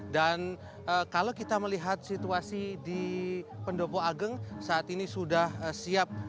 dan kalau kita melihat situasi di pendopo agung saat ini sudah siap